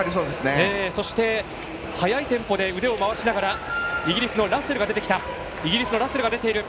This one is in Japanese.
そして、早いテンポで腕を回しながらイギリスのラッセルが出ている。